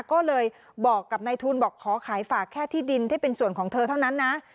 ก็เลยบอกกับนายทุนบอกขอขายฝากแค่ที่ดินที่เป็นส่วนของเธอเท่านั้นนะ